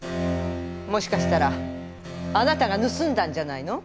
もしかしたらあなたがぬすんだんじゃないの？